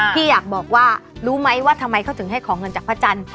พี่อยากบอกว่ารู้ไหมว่าทำไมเขาถึงให้ของเงินจากพระจันทร์